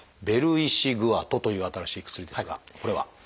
「ベルイシグアト」という新しい薬ですがこれは？